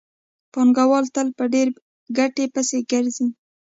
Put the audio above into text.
پانګوال تل په ډېرې ګټې پسې ګرځي